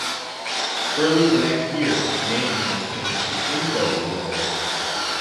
Early the next year, the name was changed to "InfoWorld".